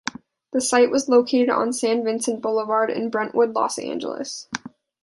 The site was located on San Vicente Boulevard in Brentwood, Los Angeles.